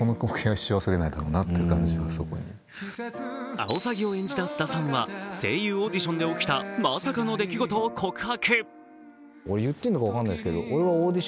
青サギを演じた菅田さんは声優オーディションで起きたまさかの出来事を告白。